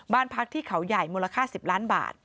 บ้านพักที่เขาใหญ่มูลค่า๑๐ล้านบาท